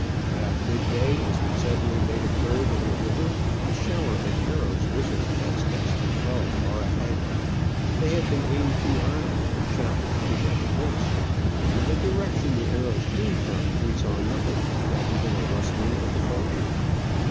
About mid day, as we suddenly made a curve in the river, a shower of CAMP ON RIVER OPON. arrows whistled past us and fell far ahead ; they had been aimed too high and shot with too much force. In the direction the arrows came from we saw nothing, —not even a rustling of the foliage.